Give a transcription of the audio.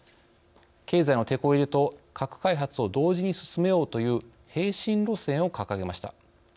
経済のテコ入れと核開発を同時に進めようという並進路線を掲げました。